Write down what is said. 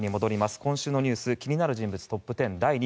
今週のニュース気になる人物トップ１０。